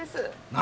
何！？